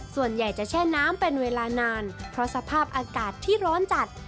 ส่วนใหญ่จะแช่น้ำเป็นเวลานานเพราะสภาพอากาศที่ร้อนจัด